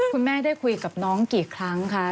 คุณแม่ได้คุยกับน้องกี่ครั้งคะ